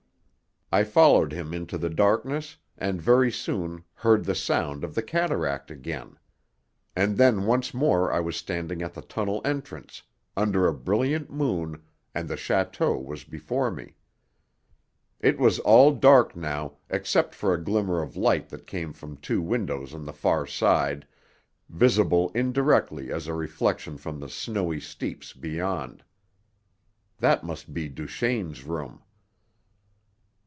I followed him into the darkness, and very soon heard the sound of the cataract again. And then once more I was standing at the tunnel entrance, under a brilliant moon, and the château was before me. It was all dark now, except for a glimmer of light that came from two windows on the far side, visible indirectly as a reflection from the snowy steeps beyond. That must be Duchaine's room.